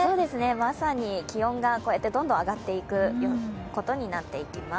まさに気温がどんどん上がっていくことになっていきます。